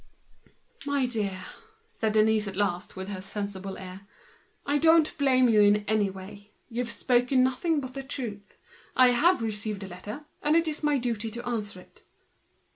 "My dear," said Denise at last, with her prudent air, "I don't blame you in any way! You've spoken nothing but the truth. I have received a letter, and it is my duty to answer it."